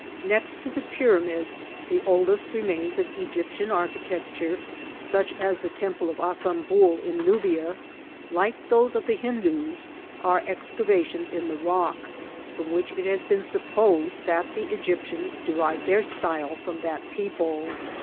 Next to the pyramids, the oldest remains of Egyp tian architecture, such as the temple of Absamboul in Nubia, like those of the Hindus, are excavations in the rock, from which it has been supposed that the Egyp tians derived their style from that people.